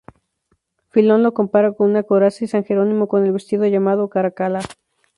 Filón lo compara con una coraza y san Jerónimo con el vestido llamado "caracalla".